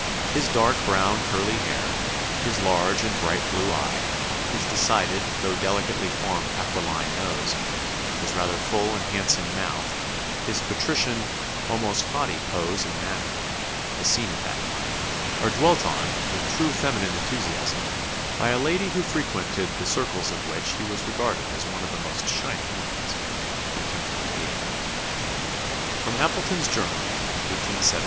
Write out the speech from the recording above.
His dark brown, curly hair, his large and bright blue eye, his decided, though delicately formed aquiline nose, his rather full and handsome mouth, his patrician, almost haughty pose and manner, as seen at that time, are dwelt on, with true feminine enthusiasm, by a lady who frequented the circles of which he was regarded as one of the most shining ornaments." 1828. [Sidenote: Appleton's Journal, 1873.